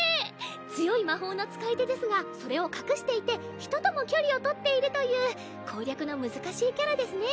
強い魔法の使い手ですがそれを隠していて人とも距離を取っているという攻略の難しいキャラですね。